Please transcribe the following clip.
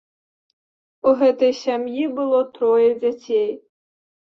У гэтай сям'і было трое дзяцей.